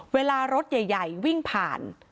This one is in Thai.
เวลารถใหญ่วิ่งผ่าน